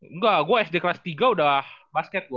enggak gue sd kelas tiga udah basket gue